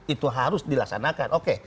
itu harus dilaksanakan oke